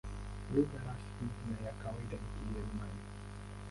Lugha rasmi na ya kawaida ni Kijerumani.